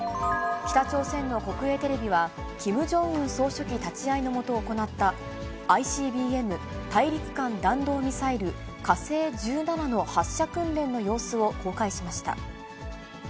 北朝鮮の国営テレビは、キム・ジョンウン総書記立ち会いの下、行った、ＩＣＢＭ・大陸間弾道ミサイル、火星１７の発射訓練の様子を公開しました。